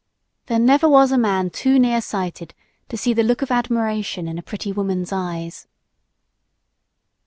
There never was a man too nearsighted to see the look of admiration in a pretty woman's eyes.